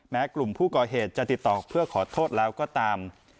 แม้กลุ่มผู้ก่อเหตุจะติดต่อเพื่อขอโทษแล้วก็ตาม